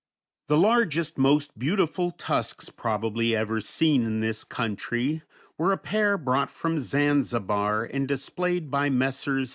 The largest, most beautiful tusks, probably, ever seen in this country were a pair brought from Zanzibar and displayed by Messrs.